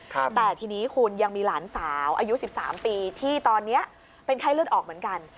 แต่ทีนี้คุณยังมีหลานสาวอายุ๑๓ปีที่ตอนนี้เป็นไข้เลือดออกเหมือนกัน